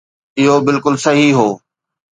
اهو بلڪل صحيح هو